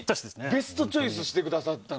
ベストチョイスしてくださいました。